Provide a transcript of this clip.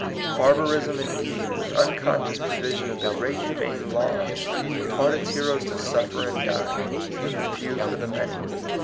Barbarism indeed, with unconscious prevision of the great hu mane laws, taught its heroes to suffer and die, the few for the many.